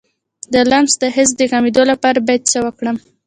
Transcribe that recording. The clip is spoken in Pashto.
د لمس د حس د کمیدو لپاره باید څه وکړم؟